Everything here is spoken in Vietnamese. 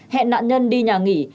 hẹn nạn nhân đi nhà nghỉ